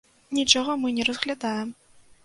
Нічога мы не разглядаем.